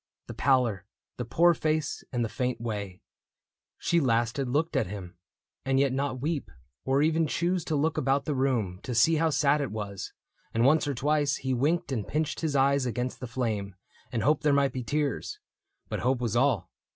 The pallor, the poor face, and the faint way THE BOOK OF ANNANDALE 131 She last had looked at him — and yet not weep, Or even choose to look about the room To see how sad it was , and once or twice He winked and pinched his eyes against the flame And hoped there might be tears. But hope was all.